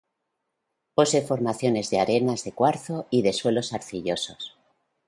Posee formaciones de arenas de cuarzo y de suelos arcillosos.